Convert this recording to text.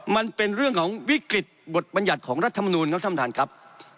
มันเป็นเรื่องของวิกฤตบทบรรยัติของรัฐมนูลครับท่านท่านครับ